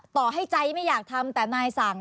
ต่อให้ใจไม่อยากทำแต่นายสั่ง